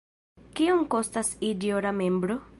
Kiom kostas iĝi ora membro?